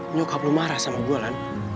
nyokap lo marah sama gue